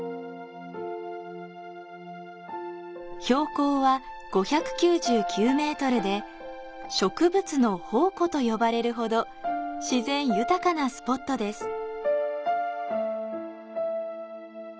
標高は５９９ｍで、植物の宝庫と呼ばれるほど自然豊かなスポットです。